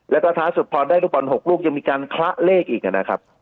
แล้วก็ท้ายสุดพอได้ลูกบอล๖ลูกยังมีการคละเลขอีกนะครับ